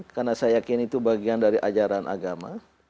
karena saya yakin itu bagian dari ajaran agama